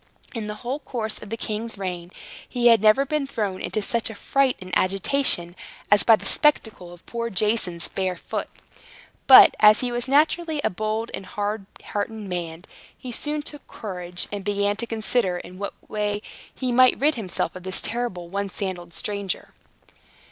In the whole course of the king's reign, he had never been thrown into such a fright and agitation as by the spectacle of poor Jason's bare foot. But, as he was naturally a bold and hard hearted man, he soon took courage, and began to consider in what way he might rid himself of this terrible one sandaled stranger.